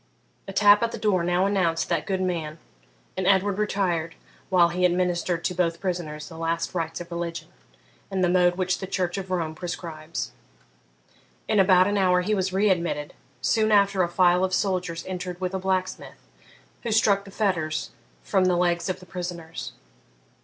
A tap at the door now announced that good man, and Edward retired while he administered to both prisoners the last rites of religion, in the mode which the Church of Rome prescribes. In about an hour he was re admitted; soon after, a file of soldiers entered with a blacksmith, who struck the fetters from the legs of the prisoners.